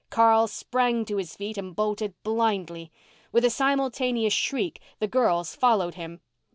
Carl sprang to his feet and bolted blindly. With a simultaneous shriek the girls followed him.